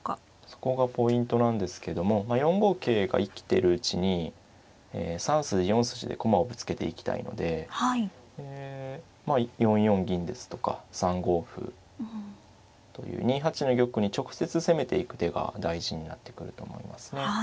そこがポイントなんですけども４五桂が生きてるうちに３筋４筋で駒をぶつけていきたいのでまあ４四銀ですとか３五歩という２八の玉に直接攻めていく手が大事になってくると思いますね。